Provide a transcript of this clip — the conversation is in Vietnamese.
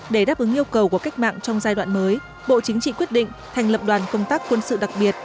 để đáp ứng yêu cầu của cách mạng trong giai đoạn mới bộ chính trị quyết định thành lập đoàn công tác quân sự đặc biệt